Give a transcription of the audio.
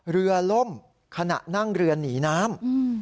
เรือล่มขณะนั่งเรือหนีน้ำ